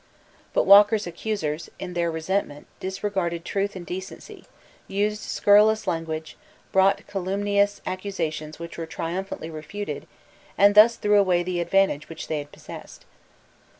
But Walker's accusers in their resentment disregarded truth and decency, used scurrilous language, brought calumnious accusations which were triumphantly refuted, and thus threw away the advantage which they had possessed.